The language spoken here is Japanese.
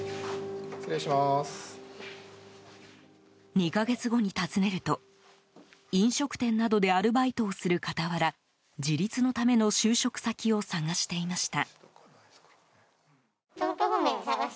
２か月後に訪ねると飲食店などでアルバイトをする傍ら自立のための就職先を探していました。